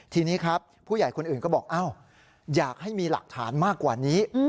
ทีนี้ครับผู้ใหญ่คนอื่นก็บอกอ้าวอยากให้มีหลักฐานมากกว่านี้